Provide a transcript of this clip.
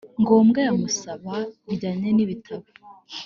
ngombwa yamusaba bijyanye n ibitabo